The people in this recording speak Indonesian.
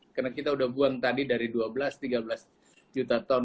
karena kita udah buang tadi dari dua belas tiga belas juta ton